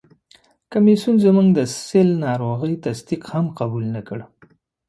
کمیسیون زموږ د سِل ناروغي تصدیق هم قبول نه کړ.